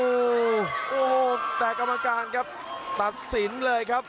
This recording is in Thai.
โอ้โหแต่กรรมการครับตัดสินเลยครับ